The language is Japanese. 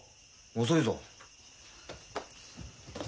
遅いぞ。